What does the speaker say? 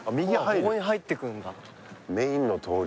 ここに入っていくんだそうだ